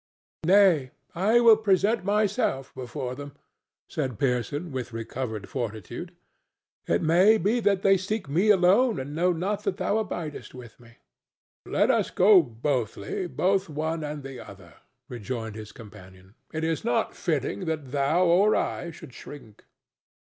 rsquo;" "Nay; I will present myself before them," said Pearson, with recovered fortitude. "It may be that they seek me alone and know not that thou abidest with me." "Let us go boldly, both one and the other," rejoined his companion. "It is not fitting that thou or I should shrink."